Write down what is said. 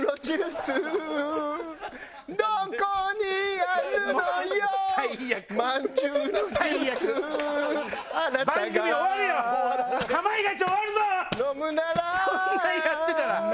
そんなんやってたら。